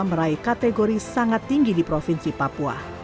meraih kategori sangat tinggi di provinsi papua